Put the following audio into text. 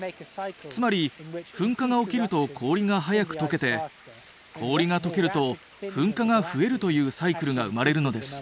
つまり噴火が起きると氷が早く解けて氷が解けると噴火が増えるというサイクルが生まれるのです。